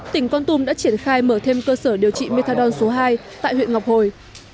tỉnh con tum đã triển khai mở thêm cơ sở điều trị methadon số hai tại huyện ngọc hồi